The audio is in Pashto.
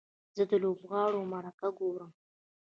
زه د لوبغاړو مرکه ګورم.